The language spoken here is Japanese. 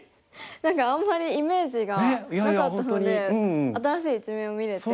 何かあんまりイメージがなかったので新しい一面も見れて。